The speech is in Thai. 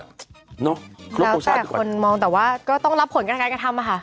แล้วแต่คนมองแต่ว่าก็ต้องรับผลการทางการกระทำอะค่ะ